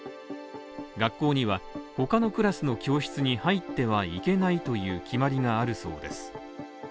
学校には、他のクラスの教室に入ってはいけないという決まりがあるそうです。